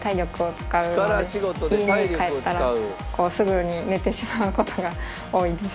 家に帰ったらすぐに寝てしまう事が多いです。